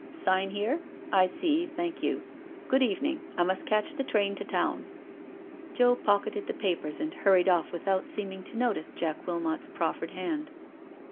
'* Sign here?— I see— thank you. Good evening. I must catch that train to Town.*' Joe pocketed the papers and hurried off without seeming to notice Jack Wilmot*s proffered hand.